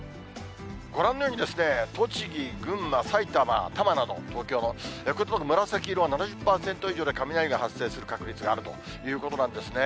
ご覧のように、栃木、群馬、埼玉、多摩など、東京の、こういった所、紫色、７０％以上で雷が発生する確率があるということなんですね。